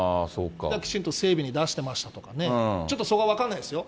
だからきちんと整備に出してましたとかね、ちょっとそこは分かんないですよ。